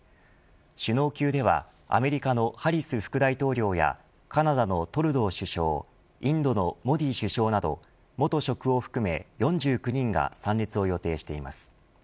首脳級ではアメリカのハリス副大統領やカナダのトルドー首相インドのモディ首相など元職を含め４９人が参列を予定しています。